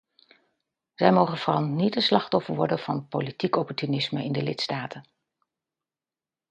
Zij mogen vooral niet het slachtoffer worden van politiek opportunisme in de lidstaten.